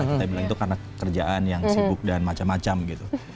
kita bilang itu karena kerjaan yang sibuk dan macam macam gitu